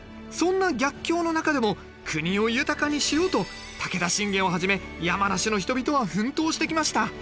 そんな逆境の中でも国を豊かにしようと武田信玄をはじめ山梨の人々は奮闘してきました